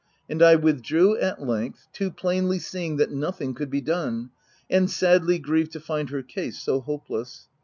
And I withdrew at length, too plainly seeing that nothing could be done — and sadly grieved to find her case so hopeless.